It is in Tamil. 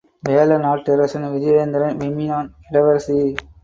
வேழநாட்டரசன் விஜயேந்திரன் விம்மினான் இளவரசி!....